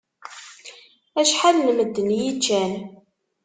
Acḥal n medden i yi-iččan.